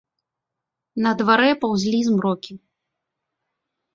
На дварэ паўзлі змрокі.